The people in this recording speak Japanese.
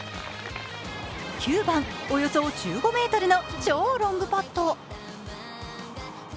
９番、およそ１５ｍの超ロングパット。